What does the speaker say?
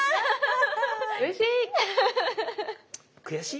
うれしい！